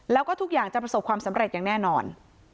แล้วก็ทุกอย่างจะประสบความสำเร็จอย่างแน่นอน